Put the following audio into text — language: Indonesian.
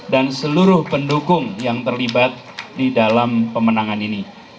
dan seluruh pendukung yang terlibat di dalam pemenangan ini